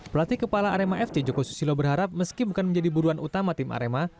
pelatih kepala arema fc joko susilo berharap meski bukan menjadi buruan utama tim arema